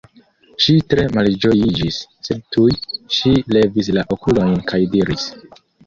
Ŝi tre malĝojiĝis, sed tuj ŝi levis la okulojn kaj diris: